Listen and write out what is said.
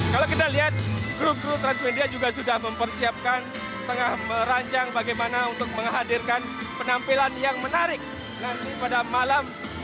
kalau kita lihat guru guru transmedia juga sudah mempersiapkan tengah merancang bagaimana untuk menghadirkan penampilan yang menarik nanti pada malam hari ulang tahun